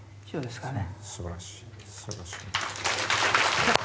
すばらしい。